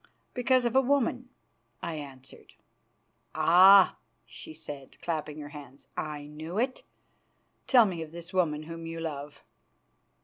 "Because of a woman," I answered. "Ah!" she said, clapping her hands; "I knew it. Tell me of this woman whom you love."